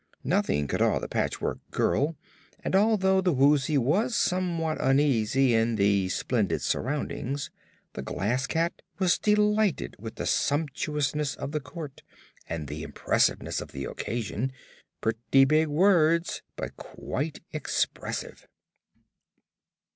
Nothing could awe the Patchwork Girl, and although the Woozy was somewhat uneasy in these splendid surroundings the Glass Cat was delighted with the sumptuousness of the court and the impressiveness of the occasion pretty big words but quite expressive.